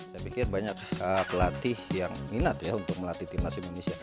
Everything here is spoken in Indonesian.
saya pikir banyak pelatih yang minat ya untuk melatih timnas indonesia